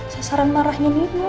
sasaran marahnya nino